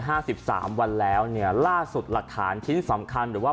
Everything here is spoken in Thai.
สิบสามวันแล้วเนี่ยล่าสุดหลักฐานชิ้นสำคัญหรือว่า